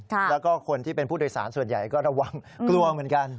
แล้วก็คนที่เป็นผู้โดยสารส่วนใหญ่ก็ระวังกลัวเหมือนกัน